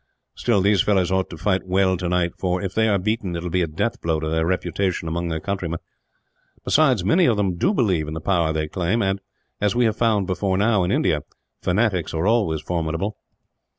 "Still, these fellows ought to fight well tonight for, if they are beaten, it will be a death blow to their reputation among their countrymen. Besides, many of them do believe in the power they claim and, as we have found before now, in India, fanatics are always formidable."